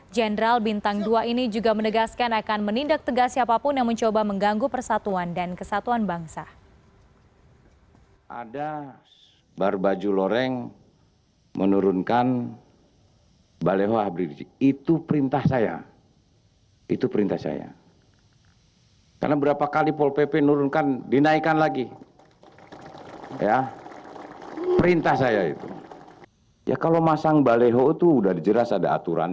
general bintang dua ini juga menegaskan akan menindak tegas siapapun yang mencoba mengganggu persatuan dan kesatuan bangsa